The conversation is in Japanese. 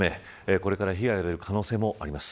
これから被害が出る可能性もあります。